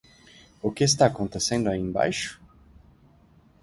O que está acontecendo aí embaixo?